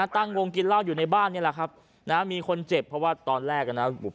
ตั้งวงกินเหล้าอยู่ในบ้านนี่แหละครับนะมีคนเจ็บเพราะว่าตอนแรกอ่ะนะ